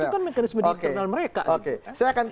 itu kan mekanisme internal mereka